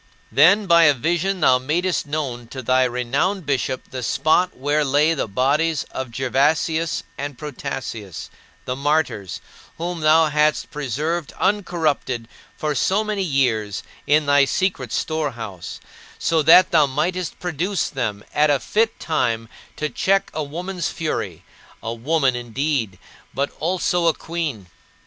16. Then by a vision thou madest known to thy renowned bishop the spot where lay the bodies of Gervasius and Protasius, the martyrs, whom thou hadst preserved uncorrupted for so many years in thy secret storehouse, so that thou mightest produce them at a fit time to check a woman's fury a woman indeed, but also a queen!